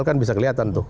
kan bisa kelihatan tuh